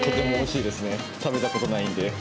食べたことないんで。